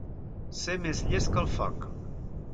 Ser més llest que el foc.